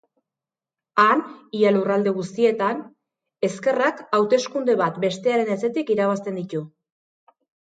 Han, ia herrialde guztietan, ezkerrak hauteskunde bat bestearen atzetik irabazten ditu.